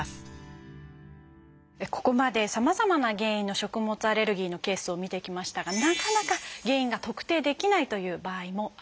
ここまでさまざまな原因の食物アレルギーのケースを見てきましたがなかなか原因が特定できないという場合もあります。